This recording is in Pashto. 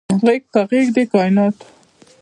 غیږ په غیږ د کائیناتو